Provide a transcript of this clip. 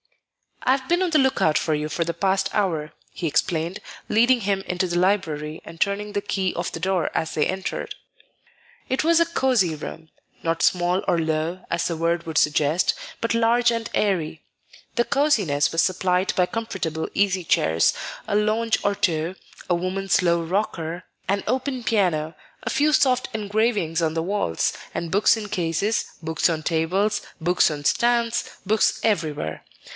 "I've been on the lookout for you for the past hour," he explained, leading him into the library and turning the key of the door as they entered. It was a cosey room, not small or low, as the word would suggest, but large and airy; the cosiness was supplied by comfortable easy chairs, a lounge or two, a woman's low rocker, an open piano, a few soft engravings on the walls, and books in cases, books on tables, books on stands, books everywhere.